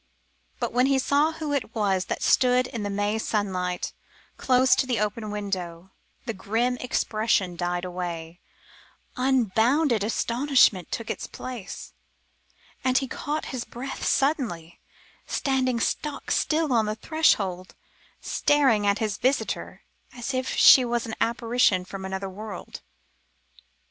But when he saw who it was that stood in the May sunlight, close to the open window, the grim expression died away, unbounded astonishment took its place, and he caught his breath suddenly, standing stock still on the threshold, and staring at his visitor, as if she was an apparition from another world.